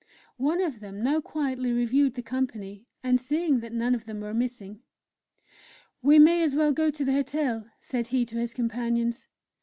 One of them now quietly reviewed the company, and, seeing that none of them were missing: "We may as well go to the Hotel," said he to his companions.